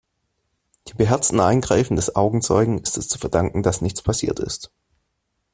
Dem beherzten Eingreifen des Augenzeugen ist es zu verdanken, dass nichts passiert ist.